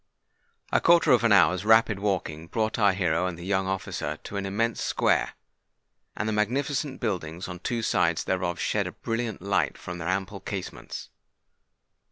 A quarter of an hour's rapid walking brought our hero and the young officer to an immense square; and the magnificent buildings on two sides thereof shed a brilliant light from their ample casements.